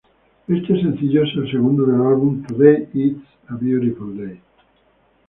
Este sencillo es el segundo del álbum Today Is a Beautiful Day.